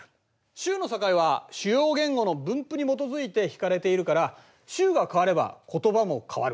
州の境は主要言語の分布に基づいて引かれているから州が変われば言葉も変わる。